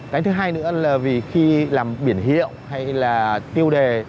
cái thứ hai nữa là vì khi làm biển hiệu hay là tiêu đề